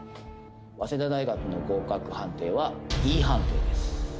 早稲田大学の合格判定はＥ判定です